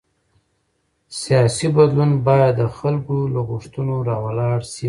سیاسي بدلون باید د خلکو له غوښتنو راولاړ شي